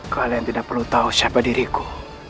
kalian tidak perlu tahu siapa diriku